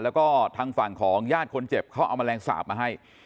แล้วก็ทางฝั่งของญาติคนเจ็บเขาเอาแมลงสาปมาให้